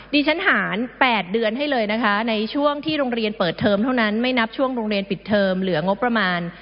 ดิฉันหาร๘เดือนให้เลยนะคะในช่วงที่โรงเรียนเปิดเทอมเท่านั้นไม่นับช่วงโรงเรียนปิดเทอมเหลืองบประมาณ